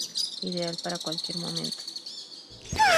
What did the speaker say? Ideal para cualquier momento.